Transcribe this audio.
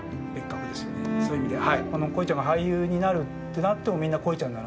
そういう意味では。